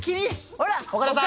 ほら岡田さん。